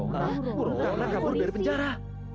karena kabur dari penjara